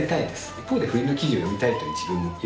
一方で不倫の記事を読みたいという自分もいるわけで。